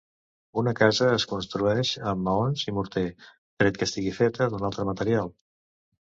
Una casa es construeix amb maons i morter, tret que estigui feta d'un altre material.